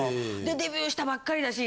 デビューしたばっかりだし